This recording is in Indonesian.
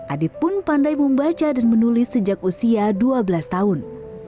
adit pun pandai membaca dan menulis sejak usia dua belas tahun